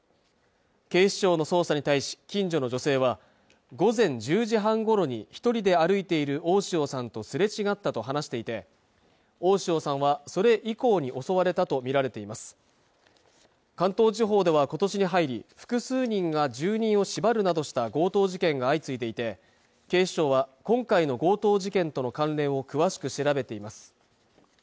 警視庁の捜査に対し近所の女性は午前１０時半ごろに一人で歩いている大塩さんとすれ違ったと話していて大塩さんはそれ以降に襲われたと見られています関東地方では今年に入り複数人が住人を縛るなどした強盗事件が相次いでいて警視庁は今回の強盗事件との関連を詳しく調べています